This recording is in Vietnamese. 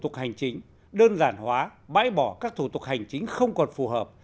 tục hành chính đơn giản hóa bãi bỏ các thủ tục hành chính không còn phù hợp